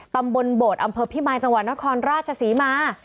ตำบลโบดอำเภอพิมายจังหวัดนครราชศรีมา